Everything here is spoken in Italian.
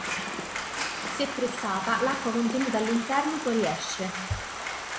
Se pressata, l'acqua contenuta all'interno fuoriesce.